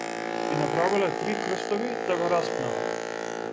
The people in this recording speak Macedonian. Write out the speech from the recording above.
И направиле три крстови та го распнале.